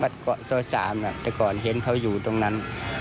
เกาะซอย๓แต่ก่อนเห็นเขาอยู่ตรงนั้น